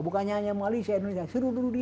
bukannya hanya malaysia indonesia seluruh dunia